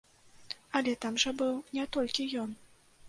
Але там жа быў не толькі ён.